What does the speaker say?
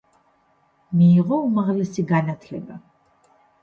მიიღო უმაღლესი განათლება.